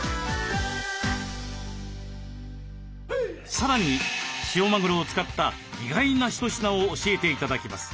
さらに塩マグロを使った意外な一品を教えて頂きます。